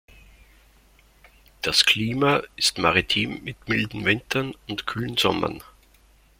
Das "Klima" ist maritim mit milden Wintern und kühlen Sommern.